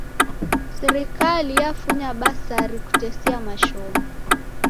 Sirikali yafunya basari Kutesia mashomo